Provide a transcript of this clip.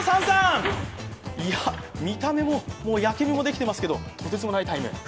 いや、見た目も焼き目もできてますけど、とてつもないタイム。